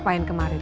tidak itu caliva